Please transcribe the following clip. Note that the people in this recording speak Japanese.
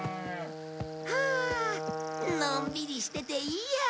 はあのんびりしてていいや。